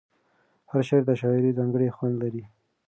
هر شعر د شاعر ځانګړی خوند لري.